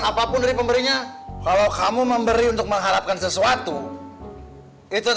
apapun dari pemberinya kalau kamu memberi untuk mengharapkan sesuatu itu